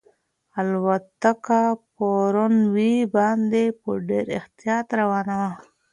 الوتکه په رن وې باندې په ډېر احتیاط روانه وه.